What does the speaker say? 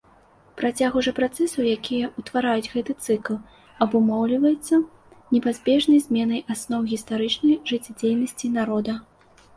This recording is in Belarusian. Працягу жа працэсаў, якія ўтвараюць гэты цыкл, абумоўліваецца непазбежнай зменай асноў гістарычнай жыццядзейнасці народа.